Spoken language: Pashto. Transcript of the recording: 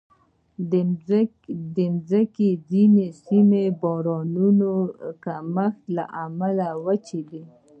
د مځکې ځینې سیمې د بارانونو د کمښت له امله وچې دي.